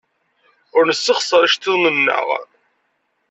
Ur nessexṣar iceḍḍiḍen-nneɣ.